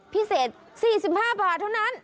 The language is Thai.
พิเศษ๔๕บาทเท่านั้น